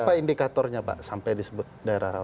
apa indikatornya pak sampai disebut daerah rawan